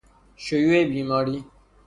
شیوع بیماری